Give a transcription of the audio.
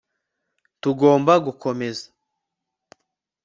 Tugomba gukomeza